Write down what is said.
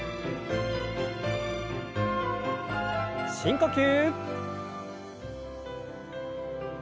深呼吸。